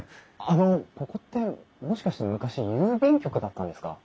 あのここってもしかして昔郵便局だったんですか？